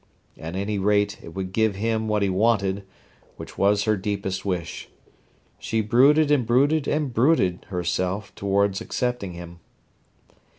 At any rate, it would give him what he wanted, which was her deepest wish. She brooded and brooded and brooded herself towards accepting him.